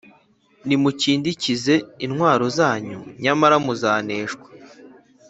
Nimukindikize intwaro zanyu, nyamara muzaneshwa!